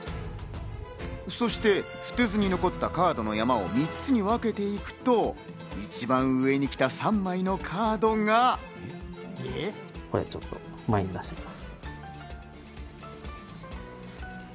そして捨てずに残ったカードの山を３つに分けていくと、一番上にこれちょっと前に出します。